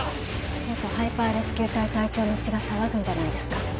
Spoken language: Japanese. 元ハイパーレスキュー隊隊長の血が騒ぐんじゃないですか？